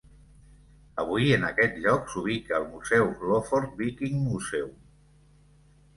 Avui, en aquest lloc s'ubica el museu Lofotr Viking Museum.